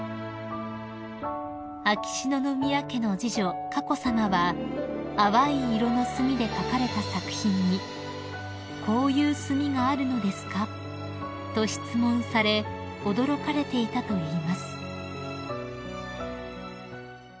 ［秋篠宮家の次女佳子さまは淡い色の墨で書かれた作品に「こういう墨があるのですか？」と質問され驚かれていたといいます］